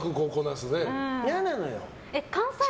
嫌なのよ。